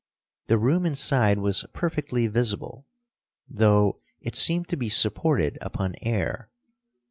The room inside was perfectly visible, though it seemed to be supported upon air.